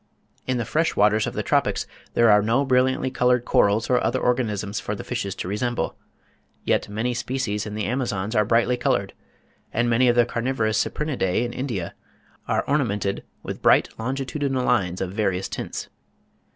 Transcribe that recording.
In the fresh waters of the tropics there are no brilliantly coloured corals or other organisms for the fishes to resemble; yet many species in the Amazons are beautifully coloured, and many of the carnivorous Cyprinidae in India are ornamented with "bright longitudinal lines of various tints."